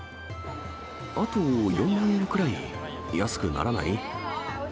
あと４万円くらい安くならない？